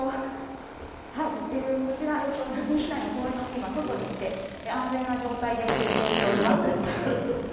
こちら、北京市内の公園の今、外に来て、安全な状態で中継しております。